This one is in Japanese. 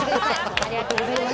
ありがとうございます。